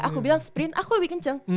aku bilang sprint aku lebih kenceng